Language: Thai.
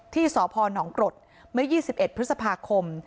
ที่สพหนองกรดเมื่อยี่สิบเอ็ดพฤษภาคม